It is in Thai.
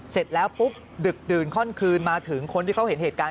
เสร็จแล้วปุ๊บดึกดื่นข้อนคืนมาถึงคนที่เขาเห็นเหตุการณ์